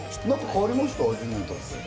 何か変わりました？